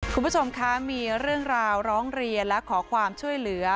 คุณผู้ชมคะมีเรื่องราวร้องเรียนและขอความช่วยเหลือ